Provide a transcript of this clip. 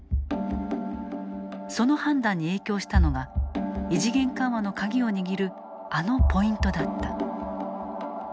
その判断に影響したのが異次元緩和の鍵を握るあのポイントだった。